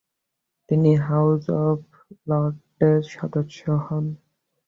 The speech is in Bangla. তিনি হাউজ অব লর্ডসের সদস্য হন।